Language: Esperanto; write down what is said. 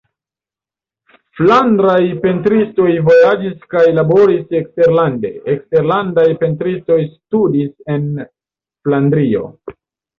Flandraj pentristoj vojaĝis kaj laboris eksterlande; eksterlandaj pentristoj studis en Flandrio.